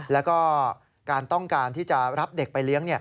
แล้วก็การต้องการที่จะรับเด็กไปเลี้ยง